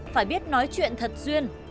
phải biết nói chuyện thật duyên